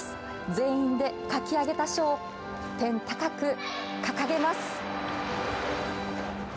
全員で書き上げた書を天高く掲げます。